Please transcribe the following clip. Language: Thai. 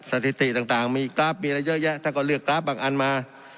สถิติต่างมีกราฟมีอะไรเยอะแยะท่านก็เลือกกราฟบางอันมา